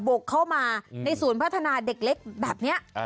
กเข้ามาในศูนย์พัฒนาเด็กเล็กแบบนี้